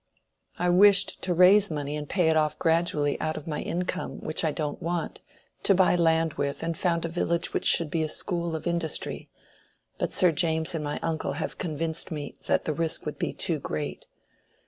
I wished to raise money and pay it off gradually out of my income which I don't want, to buy land with and found a village which should be a school of industry; but Sir James and my uncle have convinced me that the risk would be too great.